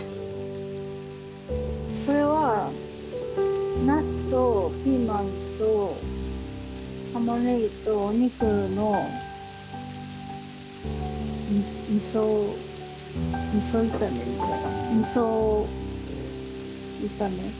これはナスとピーマンとたまねぎとお肉のみそみそ炒めみそ炒めかな。